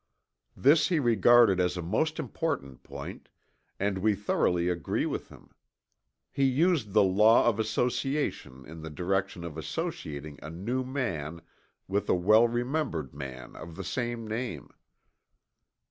This he regarded as a most important point, and we thoroughly agree with him. He used the Law of Association in the direction of associating a new man with a well remembered man of the same name.